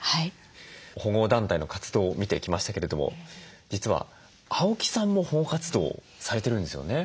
保護団体の活動を見てきましたけれども実は青木さんも保護活動をされてるんですよね？